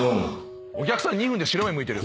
お客さん２分で白目むいてる。